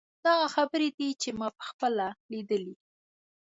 دا هغه خبرې دي چې ما په خپله لیدلې.